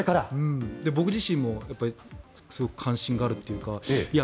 僕自身もすごく関心があるというか。